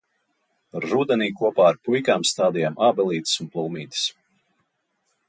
Rudenī, kopā ar puikām sastādījām ābelītes un plūmītes.